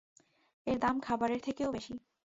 এর দাম খাবারের থেকেও বেশি।